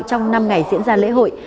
trong năm ngày diễn ra lễ hội